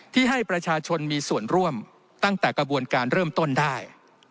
ที่ให้ประชาชนมีส่วนร่วมตั้งแต่กระบวนการเริ่มต้นได้